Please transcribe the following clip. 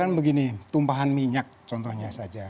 kan begini tumpahan minyak contohnya saja